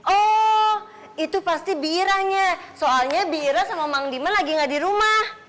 oh itu pasti bi ira nya soalnya bi ira sama mang diman lagi gak di rumah